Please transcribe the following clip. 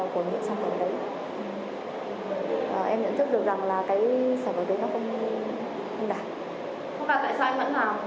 còn tại sao em vẫn làm